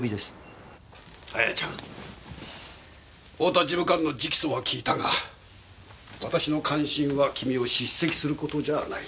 あやちゃん太田事務官の直訴は聞いたが私の関心は君を叱責する事じゃない。